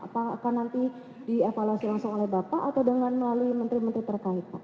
apakah nanti dievaluasi langsung oleh bapak atau dengan melalui menteri menteri terkait pak